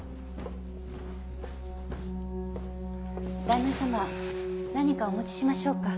旦那様何かお持ちしましょうか？